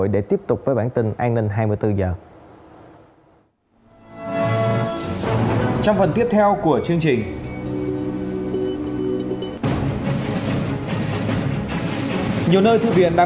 đặc biệt là